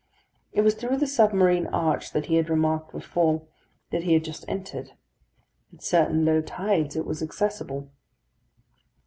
It was through the submarine arch, that he had remarked before, that he had just entered. At certain low tides it was accessible.